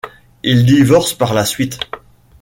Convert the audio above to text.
Il divorce par la suite.